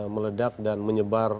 meledak dan menyebar